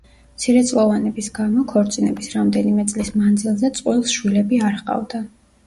მცირეწლოვანების გამო, ქორწინების რამდენიმე წლის მანძილზე, წყვილს შვილები არ ჰყავდა.